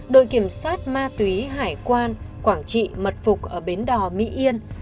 đội kiểm soát ma túy hải quan quảng trị mật phục ở bến đò mỹ yên